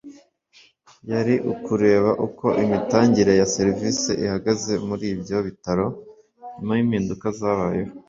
yari ukureba uko imitangire ya serivisi ihagaze muri ibyo bitaro nyuma y’impinduka zabayeho